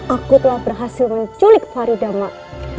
aku telah berhasil menculik faridah mak